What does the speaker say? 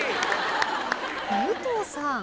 武藤さん。